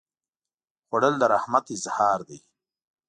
خوړل د رحمت اظهار دی